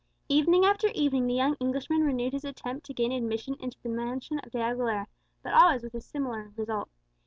Evening after evening the young Englishman renewed his attempt to gain admission into the mansion of De Aguilera, but always with a similar result.